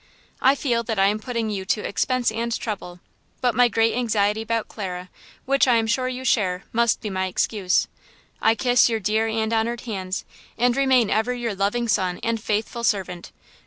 I feel that I am putting you to expense and trouble, but my great anxiety about Clara, which I am sure you share, must be my excuse. I kiss your dear and honored hands, and remain ever your loving son and faithful servant.